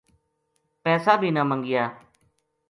پیسا بے نہ منگیا